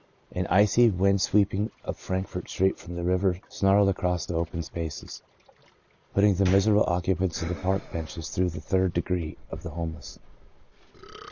An icy wind sweep ing up Frankfurt Street from the river snarled across the open spaces, putting the miserable occupants of the park benches through the third degree of the homeless.